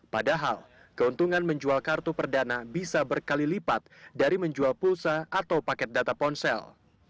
padahal keuntungan menjual kartu perdana bisa berkali lipat dari menjual pulsa atau paket data ponsel